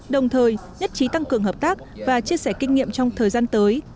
đồng thời nhất trí tăng cường hợp tác và chia sẻ kinh nghiệm trong thời gian tới